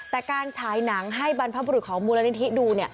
แต่การฉายหนังให้บรรพบุรุษของมูลนิธิดู